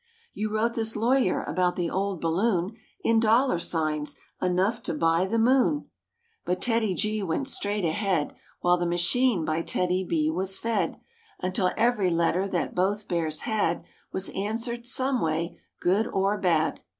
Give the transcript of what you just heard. You wrote this lawyer about the old balloon In dollar signs enough to buy the moon." But TEDDY—G went straight ahead While the machine by TEDDY B was fed Until every letter that both Bears had Was answered some way, good or bad.